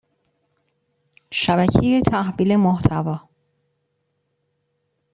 شبکه تحویل محتوا